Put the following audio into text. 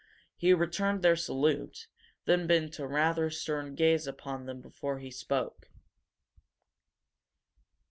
He returned their salute, then bent a rather stern gaze upon them before he spoke.